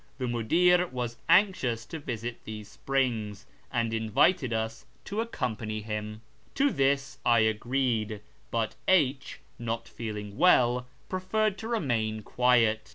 The imuUr was anxious to visit these springs, and invited us to accompany liim. To this I agreed, but H , not feeling well, preferred to remain quiet.